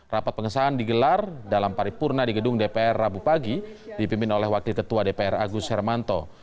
rapat pengesahan digelar dalam paripurna di gedung dpr rabu pagi dipimpin oleh wakil ketua dpr agus hermanto